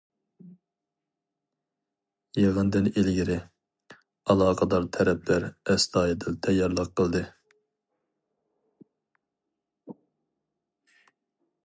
يىغىندىن ئىلگىرى، ئالاقىدار تەرەپلەر ئەستايىدىل تەييارلىق قىلدى.